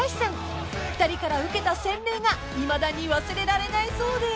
［２人から受けた洗礼がいまだに忘れられないそうで］